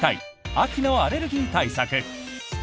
秋のアレルギー対策。